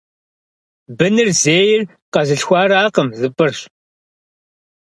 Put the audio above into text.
Быныр зейр къэзылъхуаракъым - зыпӏырщ.